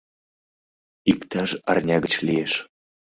Иктаж арня гыч лиеш.